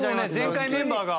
前回メンバーが。